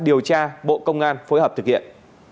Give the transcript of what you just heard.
điều tra bộ công an phối hợp thực hiện